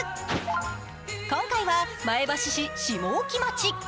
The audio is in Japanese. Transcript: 今回は前橋市下沖町。